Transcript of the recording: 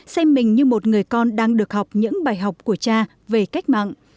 xem mình như một người con đang được học những bài học của cha về cách mạng